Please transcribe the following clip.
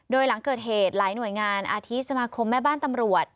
โดยหลังเกิดเหตุหลายหน่วยงานอาทิตสมาคมแม่บ้านตำรวจ